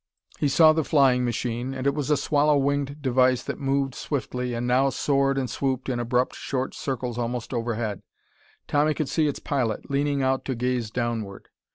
He saw the flying machine, and it was a swallow winged device that moved swiftly, and now soared and swooped in abrupt short circles almost overhead. Tommy could see its pilot, leaning out to gaze downward.